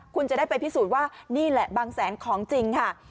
คุณจะได้ไปพิสูจน์ว่านี่แหละบางแสนของจริงค่ะ